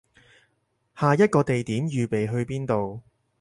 下一個地點預備去邊度